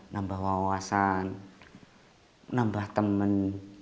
nambah wawasan nambah temen